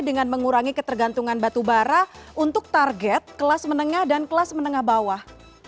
dengan mengurangi ketergantungan batubara untuk target kelas menengah dan kelas menengah bawah